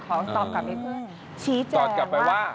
ขอตอบกับลูกเพื่อนชี้แจกว่าทราบกลับไปหว่า